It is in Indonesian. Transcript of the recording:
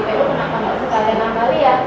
kenapa gak sekalian amalia